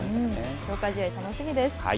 強化試合、楽しみです。